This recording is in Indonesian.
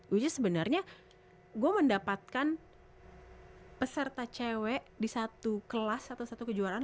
which is sebenarnya gue mendapatkan peserta cewek di satu kelas atau satu kejuaraan